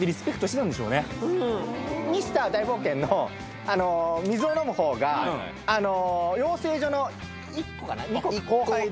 ミスター大冒険。の水を飲むほうが養成所の１個かな後輩で。